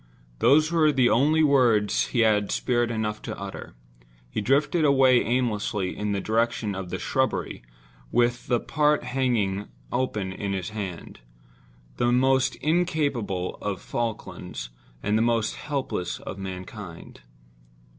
Those were the only words he had spirit enough to utter. He drifted away aimlessly in the direction of the shrubbery, with the part hanging open in his hand—the most incapable of Falklands, and the most helpless of mankind.